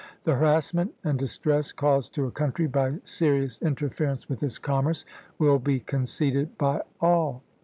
The harassment and distress caused to a country by serious interference with its commerce will be conceded by all.